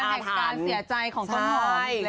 เดือนแห่งการเสียใจของต้นหอม